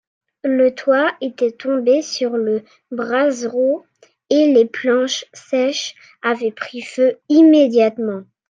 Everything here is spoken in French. Le toit était tombé sur le brasero, et les planches sèches avaient pris feu immédiatement.